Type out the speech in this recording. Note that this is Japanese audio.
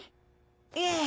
いえ。